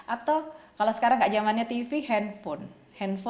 atau kalau sekarang nggak zamannya tv handphone